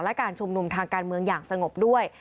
และการชุมนุมทางการเมืองอย่างสงบด้วย